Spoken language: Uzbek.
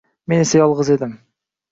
Men esa yolgʻiz edim